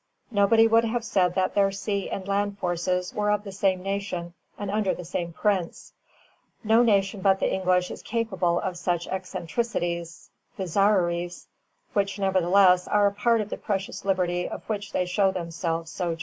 Nobody would have said that their sea and land forces were of the same nation and under the same prince. No nation but the English is capable of such eccentricities (bizarreries), which, nevertheless, are a part of the precious liberty of which they show themselves so jealous."